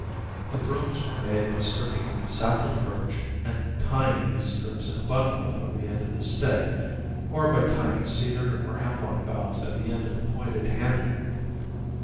The brooms were made by stripping the sapling birch and tying these strips in a bundle over the end of the stick, or by tying cedar or hemlock boughs at the end of a pointed handle.